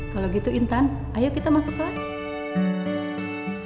kalau gitu intan ayo kita masuk lagi